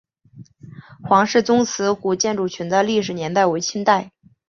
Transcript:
黄氏宗祠古建群的历史年代为清代。